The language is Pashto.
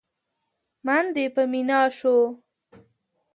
من دې په مينا شو؟!